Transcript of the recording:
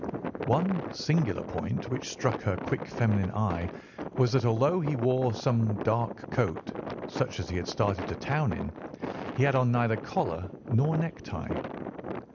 One singular point which struck her quick feminine eye was that although he wore some dark coat, such as he had started to town in, he had on neither collar nor necktie.